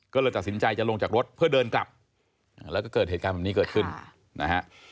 ก็เลยตัดสินใจจะลงจากรถเพื่อเดินกลับแล้วก็เกิดเหตุการณ์แบบนี้เกิดขึ้นนะฮะ